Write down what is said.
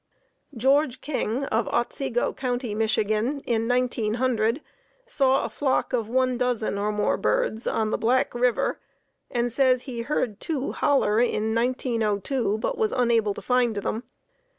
George King of Otsego County, Mich., in 1900 saw a flock of one dozen or more birds on the Black River, and he says he heard two "holler" in 1902, but was unable to find them.